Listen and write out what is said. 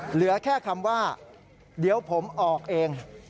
เหลือแค่คำว่าเดี๋ยวผมออกเอง